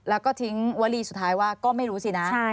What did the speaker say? แล้วก็ทิ้งวลีสุดท้ายว่าก็ไม่รู้สินะ